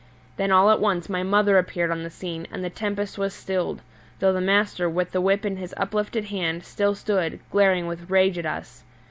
Then all at once my mother appeared on the scene, and the tempest was stilled, though the master, with the whip in his uplifted hand, still stood, glaring with rage at us.